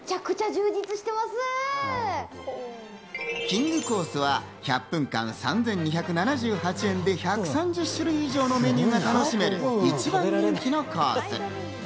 きんぐコースは１００分間、３２７８円で１３０種類以上のメニューが楽しめる一番人気のコース。